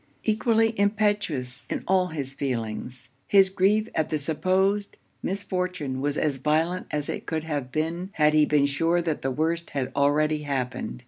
Equally impetuous in all his feelings, his grief at the supposed misfortune was as violent as it could have been had he been sure that the worst had already happened.